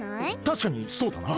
たしかにそうだな。